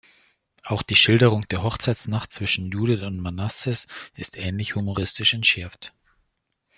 Auch die Schilderung der Hochzeitsnacht zwischen Judith und Manasses ist ähnlich humoristisch entschärft.